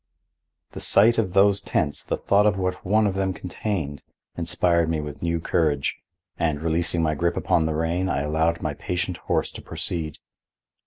The sight of those tents, the thought of what one of them contained, inspired me with new courage, and, releasing my grip upon the rein, I allowed my patient horse to proceed.